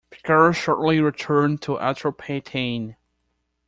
Pacorus shortly returned to Atropatene.